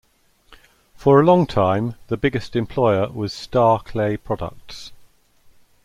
For a long time, the biggest employer was Star Clay Products.